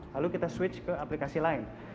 lalu kita switch ke aplikasi lain